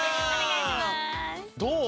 どう？